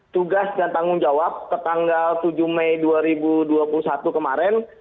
tugas dan tanggung jawab ke tanggal tujuh mei dua ribu dua puluh satu kemarin